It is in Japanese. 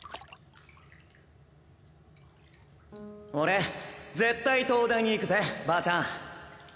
俺絶対東大に行くぜばあちゃん